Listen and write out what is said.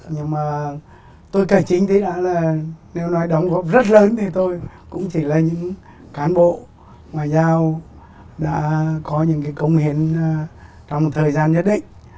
nhưng mà tôi kể chính thì đã là nếu nói đóng góp rất lớn thì tôi cũng chỉ là những cán bộ ngoại giao đã có những công hiến trong một thời gian nhất định